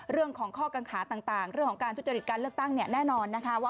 เรื่องของข้อกังขาต่างเรื่องของการทุจริตการเลือกตั้งเนี่ยแน่นอนนะคะว่า